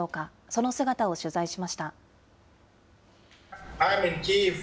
その姿を取材しました。